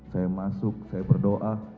saya masuk saya berdoa